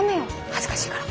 恥ずかしいから。